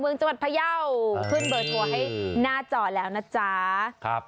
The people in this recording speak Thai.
เมืองจังหวัดพระเยาขึ้นเบอร์ทัวร์ให้หน้าจ่อแล้วนะจ๊ะครับ